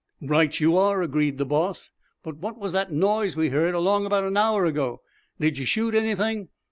"Right you are!" agreed the boss. "But what was that noise we heard, along about an hour back? Did you shoot anything?"